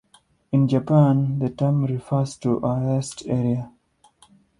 In Japan, the term refers to a rest area.